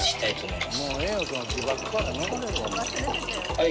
はい。